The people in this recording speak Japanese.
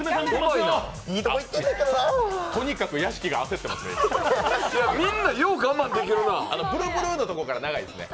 とにかく屋敷が焦ってますね。